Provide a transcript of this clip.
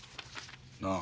なあ。